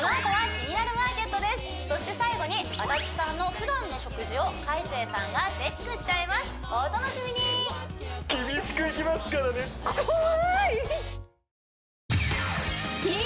そして最後に足立さんのふだんの食事を海青さんがチェックしちゃいますお楽しみに厳しくいきますからね怖い！